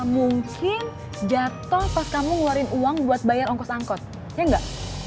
mungkin jatuh pas kamu ngeluarin uang buat bayar ongkos angkot ya enggak